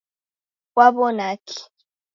Kwaw'onaki?